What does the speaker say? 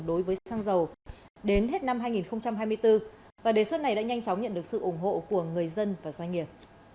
đối với xăng dầu đến hết năm hai nghìn hai mươi bốn và đề xuất này đã nhanh chóng nhận được sự ủng hộ của người dân và doanh nghiệp